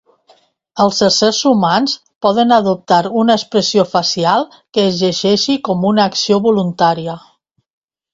Els éssers humans poden adoptar una expressió facial que es llegeixi com una acció voluntària.